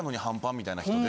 みたいな人で。